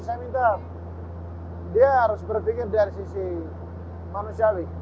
saya minta dia harus berpikir dari sisi manusiawi